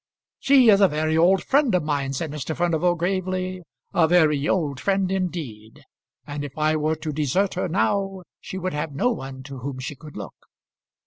"She is a very old friend of mine," said Mr. Furnival, gravely, "a very old friend indeed; and if I were to desert her now, she would have no one to whom she could look."